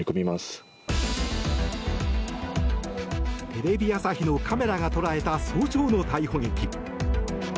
テレビ朝日のカメラが捉えた早朝の逮捕劇。